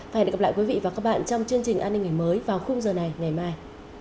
và hẹn gặp lại quý vị và các bạn trong chương trình an ninh ngày mới vào khung giờ này ngày mai